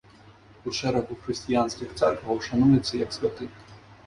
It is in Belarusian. У шэрагу хрысціянскіх цэркваў шануецца як святы.